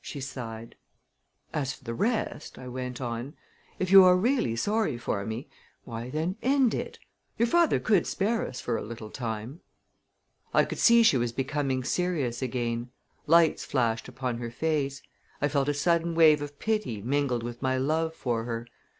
she sighed. "As for the rest," I went on, "if you are really sorry for me why, then, end it! Your father could spare us for a little time." I could see she was becoming serious again. Lights flashed upon her face. I felt a sudden wave of pity mingled with my love for her.